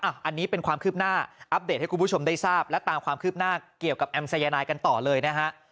อันนี้เป็นความคืบหน้าอัปเดตให้คุณผู้ชมได้ทราบและตามความคืบหน้าเกี่ยวกับแอมสายนายกันต่อเลยนะฮะ